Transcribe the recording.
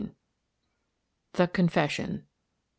THE CONFESSION.